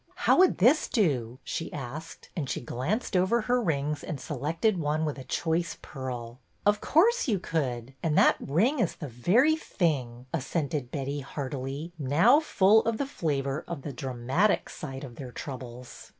How would this do ?" she asked, and she glanced over her rings and selected one with a choice pearl. Of course you could. And that ring is the very thing," assented Betty, heartily, now full of the flavor of the dramatic side of their troubles.